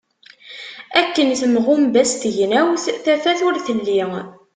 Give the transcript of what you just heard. Akken tenɣumbas tegnawt, tafat ur telli.